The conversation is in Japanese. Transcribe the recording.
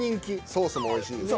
ソースもおいしいですしね。